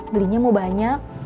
belinya mau banyak